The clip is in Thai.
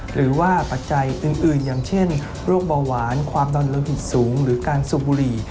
หรือว่าปัจจัยอื่นอย่างเช่นโรคเบาหวานความดอนร่วมผิดสูงหรือการซุบบุหรี่